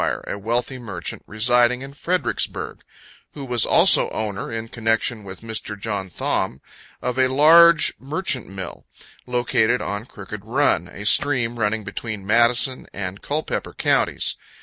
a wealthy merchant, residing in Fredericksburg who was also owner, in connection with Mr. John Thom, of a large merchant mill, located on "Crooked Run," a stream running between Madison and Culpepper counties.